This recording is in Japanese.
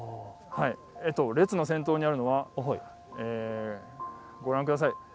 列の先頭にあるのはご覧ください。